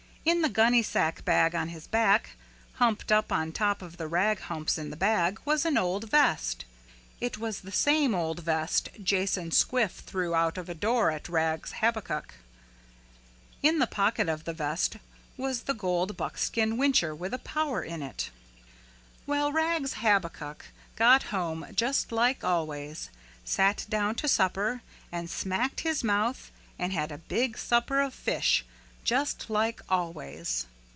In the gunnysack bag on his back, humped up on top of the rag humps in the bag, was an old vest. It was the same old vest Jason Squiff threw out of a door at Rags Habakuk. In the pocket of the vest was the gold buckskin whincher with a power in it. Well, Rags Habakuk got home just like always, sat down to supper and smacked his mouth and had a big supper of fish, just like always.